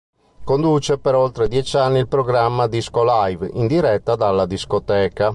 Conduce per oltre dieci anni il programma "Disco Live", in diretta dalla discoteca.